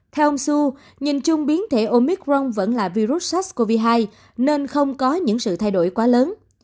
theo ông su nhìn chung biến thể omicron vẫn là virus sars cov hai nên không có những sự thay đổi quá lớn